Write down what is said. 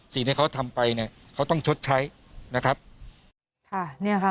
สิ่งที่เขาทำไปเนี่ยเขาต้องชดใช้นะครับค่ะเนี่ยค่ะ